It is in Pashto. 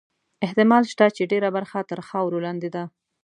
احتمال شته چې ډېره برخه تر خاورو لاندې ده.